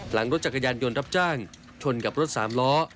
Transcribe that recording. หลังรถจักรยานยนต์รับจ้างชนกับรถสามล้อ